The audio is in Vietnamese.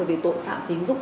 về tội phạm tín dụng